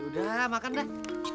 ya udah makan dah